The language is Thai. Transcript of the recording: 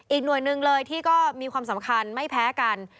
หน่วยหนึ่งเลยที่ก็มีความสำคัญไม่แพ้กัน